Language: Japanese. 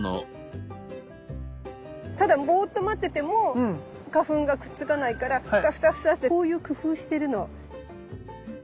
ただボーッと待ってても花粉がくっつかないからフサフサフサってこういう工夫してるの。